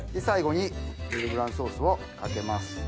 最後にブールブランソースをかけます。